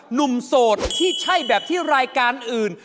โสดที่ใช่แบบที่รายการอื่น